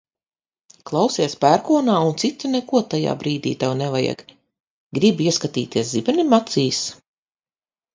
Klausies pērkonā un citu neko tajā brīdī tev nevajag. Gribi ieskatīties zibenim acīs?